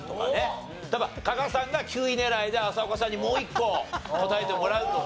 加賀さんが９位狙いで浅丘さんにもう一個答えてもらうとか。